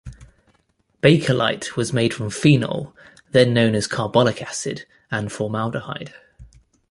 Bakelite was made from phenol, then known as carbolic acid, and formaldehyde.